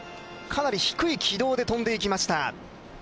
かなり低い軌道で跳んでいきました。